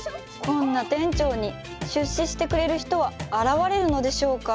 こんな店長に出資してくれる人は現れるのでしょうか